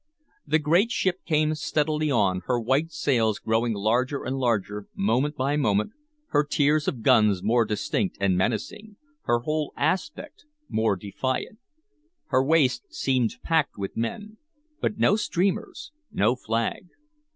The great ship came steadily on, her white sails growing larger and larger, moment by moment, her tiers of guns more distinct and menacing, her whole aspect more defiant. Her waist seemed packed with men. But no streamers, no flag.